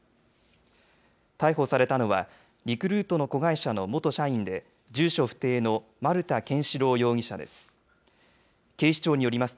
逮捕されたのは、リクルートの子会社の元社員で、住所不定の丸田憲司朗容疑者です。